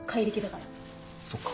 そっか。